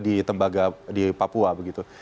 di tembaga di papua begitu